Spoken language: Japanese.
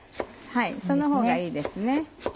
そのほうがいいです。